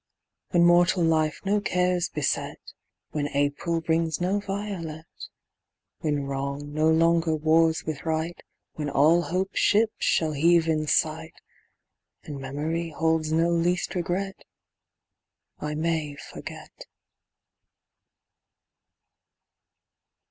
When mortal life no cares beset, When April brings no violet, When wrong no longer wars with right, When all hope's ships shall heave in sight, And memory holds no least regret, I may forget.